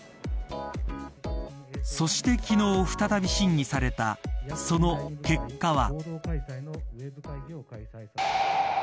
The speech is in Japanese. そして昨日再び審議されたその結果は。